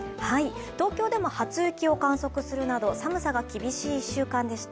東京でも初雪を観測するなど寒さが厳しい１週間でした。